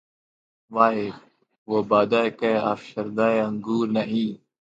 وائے! وہ بادہ کہ‘ افشردۂ انگور نہیں